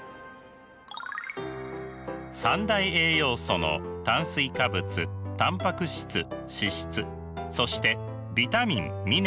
三大栄養素の炭水化物タンパク質脂質そしてビタミンミネラル。